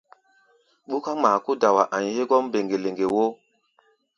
Ɓúká ŋmaa kó dawa a̧ʼi̧ hégɔ́ mbeŋge-leŋge wo!